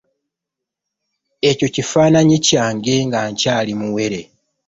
Ekyo kifananyi kyange nga nkyali muwere.